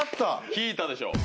引いたでしょ。